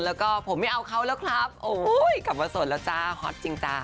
แล้วก็ผมไม่เอาเขาแล้วครับโอ้ยกลับมาโสดแล้วจ้าฮอตจริงจ้า